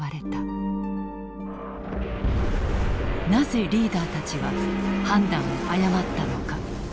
なぜリーダーたちは判断を誤ったのか。